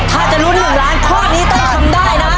ถ้าจะรุนอย่างหลานกรอดนี้ต้องทำได้นะ